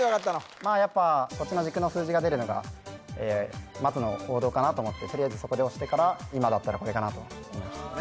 まあやっぱこっちの軸の数字が出るのがまずの行動かなと思ってとりあえずそこで押してから今だったらこれかなと思いましたねえ